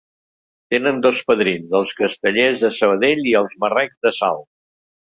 Tenen dos padrins: els Castellers de Sabadell i els Marrecs de Salt.